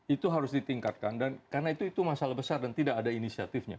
itu harus ditingkatkan dan karena itu masalah besar dan tidak ada inisiatifnya